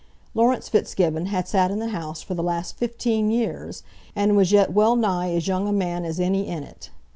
Laurence Fitzgibbon had sat in the House for the last fifteen years, and was yet well nigh as young a man as any in it.